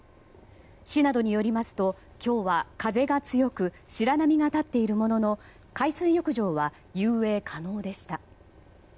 市などによりますと今日は風が強く白波が立っているものの海水浴場は遊泳可能でした。